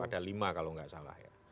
ada lima kalau nggak salah ya